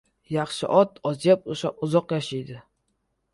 • Yaxshi ot oz yeb, uzoq yashaydi.